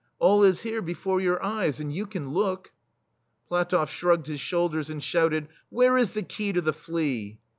All is here, before your eyes — and you can look/* PlatofF shrugged his shoulders and shouted: "Where is the key to the flea?"